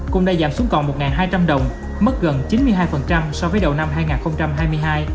cũng đã giảm xuống còn một hai trăm linh đồng mất gần chín mươi hai so với đầu năm hai nghìn hai mươi hai